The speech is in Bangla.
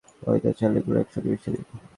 ময়দা ও চালের গুঁড়া একসঙ্গে মিশিয়ে নিন।